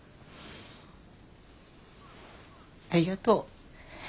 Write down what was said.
ありがとう。